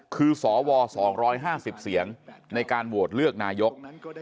คือสว๒๕๐เสียงในการโหวตเลือกนายก